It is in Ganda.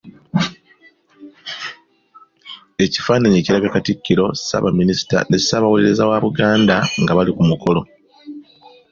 Ekifaananyi ekiraga Katikkiro, Ssaabaminisita, ne Ssaabawolereza wa Buganda nga bali ku mukolo.